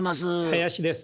林です。